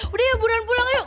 udah ya buruan pulang yuk